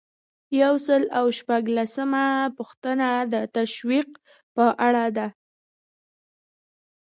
یو سل او شپږلسمه پوښتنه د تشویق په اړه ده.